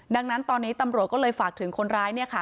ดังนั้นตอนนี้ตำรวจก็เลยฝากถึงคนร้ายเนี่ยค่ะ